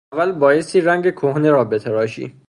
اول بایستی رنگ کهنه را بتراشی!